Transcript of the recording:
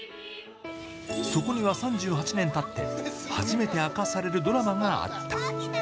そこには３８年たって初めて明かされるドラマがあった。